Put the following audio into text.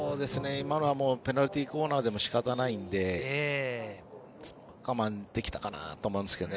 今のはペナルティーコーナーでも仕方ないので我慢できたかなと思うんですけどね。